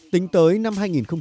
tính tới năm hai nghìn hai mươi